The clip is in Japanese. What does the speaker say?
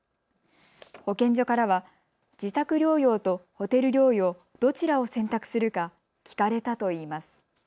保健所からは自宅療養とホテル療養どちらを選択するか聞かれたといいます。